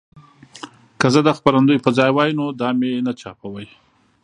که زه د خپرندوی په ځای وای نو دا مې نه چاپوه.